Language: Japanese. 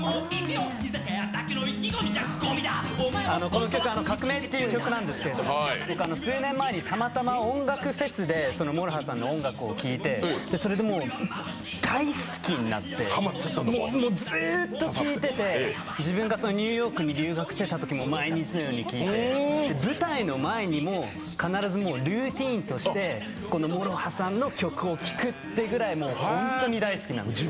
この曲「革命」って曲なんですけど僕、数年前に音楽フェスでＭＯＲＯＨＡさんの音楽を聴いてそれで大好きになってもうずーっと聴いてて、自分がニューヨークに留学していたときも毎日のように聴いて、舞台の前にも必ずルーティンとしてＭＯＲＯＨＡさんの曲を聴くってぐらいもう本当に大好きなんです。